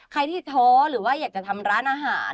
ใครที่ท้อหรือว่าอยากจะทำร้านอาหาร